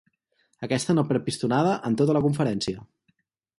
Aquesta no perd pistonada en tota la conferència.